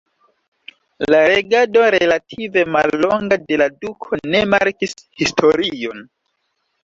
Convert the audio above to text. La regado relative mallonga de la duko ne markis historion.